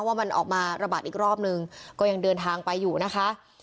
ว่ามันออกมาระบาดอีกรอบนึงก็ยังเดินทางไปอยู่นะคะ